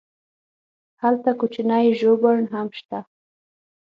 هلته کوچنی ژوبڼ هم شته.